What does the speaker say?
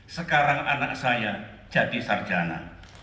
sekarang anak saya jadi sarjana